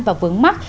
và vướng mắt